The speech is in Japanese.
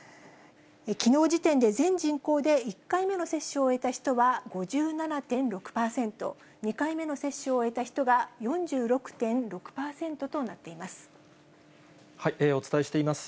きのう時点で、全人口で１回目の接種を終えた人は５７．６％、２回目の接種を終えた人が４６．６％となっています。